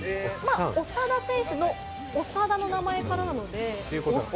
長田選手の「おさだ」の名前からなので。